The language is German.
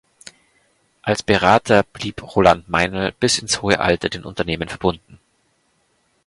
Als Berater blieb Roland Meinl bis ins hohe Alter den Unternehmen verbunden.